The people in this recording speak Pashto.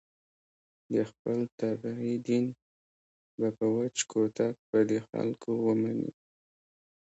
د خپلې طبعې دین به په وچ کوتک په دې خلکو ومني.